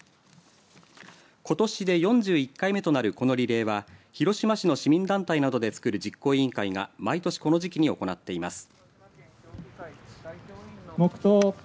ことしで４１回目となるこのリレーは広島市の市民団体などで作る実行委員会が毎年この時期に行っています。